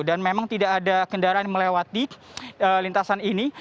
dan memang tidak ada kendaraan melewati lintasan ini